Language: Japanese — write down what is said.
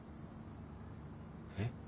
えっ？